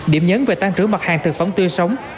điểm nhấn về tăng trưởng mặt hàng thực phẩm tươi sống